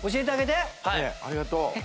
ありがとう。